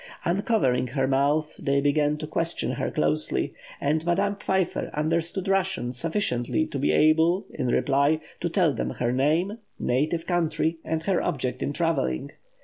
Uncovering her mouth, they began to question her closely; and Madame Pfeiffer understood Russian sufficiently to be able, in reply, to tell them her name, native country, and her object in travelling.